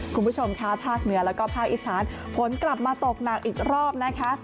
คุณผู้ชมค่ะภาคเหนือแล้วก็ภาคอีสานฝนกลับมาตกหนักอีกรอบนะคะ